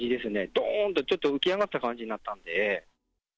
どーんって、ちょっと浮き上がった感じになったんで。